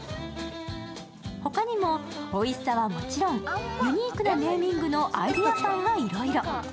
他にも、おいしさはもちろん、ユニークなネーミングのアイデアパンがいろいろ。